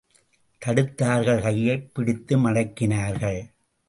தடுத்தார்கள் கையைப் பிடித்து மடக்கினார்கள்.